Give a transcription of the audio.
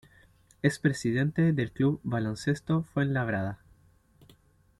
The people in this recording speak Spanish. Es presidente del Club Baloncesto Fuenlabrada.